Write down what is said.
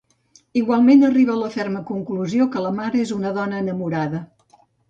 Igualment arriba a la ferma conclusió que la mare és una dona enamorada.